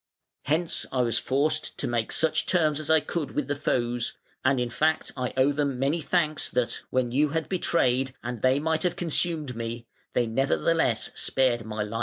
Hence I was forced to make such terms as I could with the foes, and in fact I owe them many thanks that, when you had betrayed and they might have consumed me, they nevertheless spared my life".